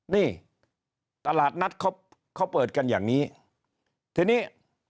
นี่ตลาดนัดเขาเขาเปิดกันอย่างนี้ทีนี้